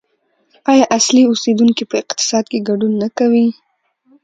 آیا اصلي اوسیدونکي په اقتصاد کې ګډون نه کوي؟